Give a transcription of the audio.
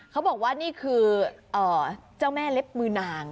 เขาบอกว่านี่คือเจ้าแม่เล็บมือนาง